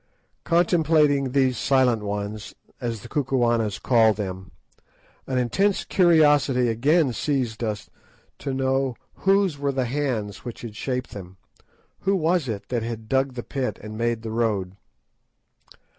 Contemplating these "Silent Ones," as the Kukuanas call them, an intense curiosity again seized us to know whose were the hands which had shaped them, who it was that had dug the pit and made the road.